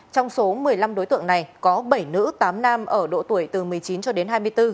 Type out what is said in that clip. trong số một mươi năm đối tượng này có bảy nữ tám nam ở độ tuổi từ một mươi chín cho đến hai mươi bốn